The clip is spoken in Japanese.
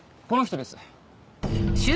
この人です。